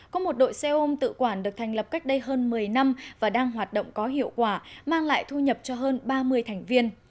có một đội xe ôm tự quản được thành lập cách đây hơn một mươi năm và đang hoạt động có hiệu quả mang lại thu nhập cho hơn ba mươi thành viên